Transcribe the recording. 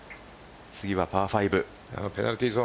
次はパー５。